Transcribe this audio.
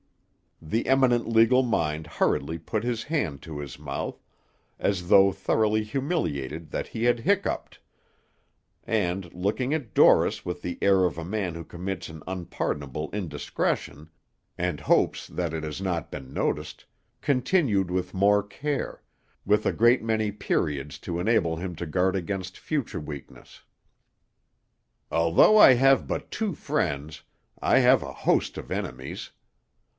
The eminent legal mind hurriedly put his hand to his mouth, as though thoroughly humiliated that he had hiccoughed, and, looking at Dorris with the air of a man who commits an unpardonable indiscretion and hopes that it has not been noticed, continued with more care, with a great many periods to enable him to guard against future weakness. "Although I have but two friends, I have a host of enemies.